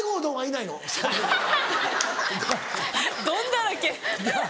なぁどんだらけ。